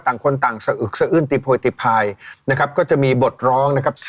ต่างคนต่างสะอึกสะอื้นตีโพยติภายนะครับก็จะมีบทร้องนะครับ